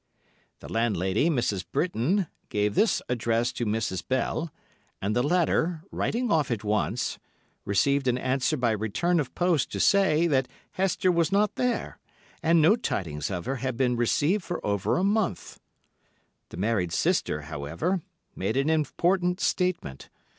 The landlady, Mrs. Britton, gave this address to Mrs. Bell, and the latter, writing off at once, received an answer by return of post to say that Hester was not there and no tidings of her had been received for over a month. The married sister, however, made an important statement.